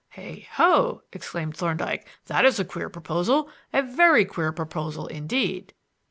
"Hey, ho!" exclaimed Thorndyke; "that is a queer proposal; a very queer proposal indeed."